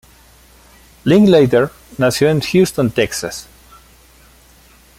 Linklater nació en Houston, Texas.